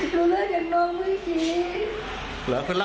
ชี้ดใจมากเลยนะคุณแม่